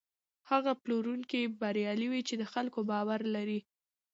هغه پلورونکی بریالی وي چې د خلکو باور لري.